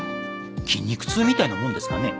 筋肉痛みたいなもんですかね？